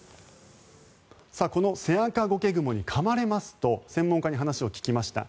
このセアカゴケグモにかまれますと専門家に話を聞きました。